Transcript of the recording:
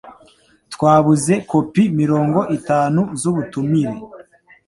Twabuze kopi mirongo itanu z'ubutumire